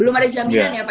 belum ada jaminan ya pak